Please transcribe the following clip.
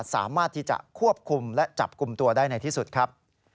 สามารถที่จะควบคุมและจับกลุ่มตัวได้ในที่สุดครับ